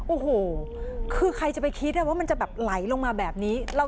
โอ้โหคือใครจะไปคิดว่ามันจะแบบไหลลงมาแบบนี้